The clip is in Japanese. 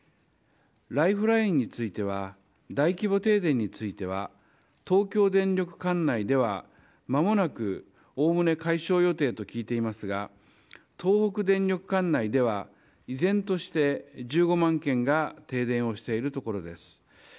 ライフラインについては大規模停電については東京電力管内では間もなく、おおむね解消予定と聞いていますが東北電力管内では依然として１５万軒が停電をしているところです。